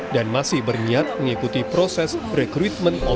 dan masih berniat mengikuti proses rekrutmen polri